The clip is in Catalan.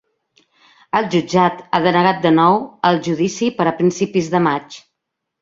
El jutjat ha denegat de nou el judici per a principis de maig.